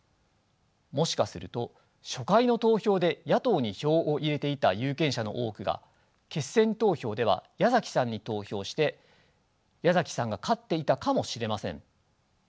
もしかすると初回の投票で野党に票を入れていた有権者の多くが決選投票では矢崎さんに投票して矢崎さんが勝っていたかもしれません。